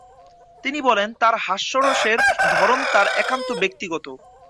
তিনি বলেন তার হাস্যরসের ধরন তার একান্ত ব্যক্তিগত।